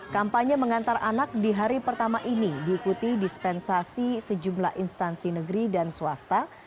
kampanye mengantar anak di hari pertama ini diikuti dispensasi sejumlah instansi negeri dan swasta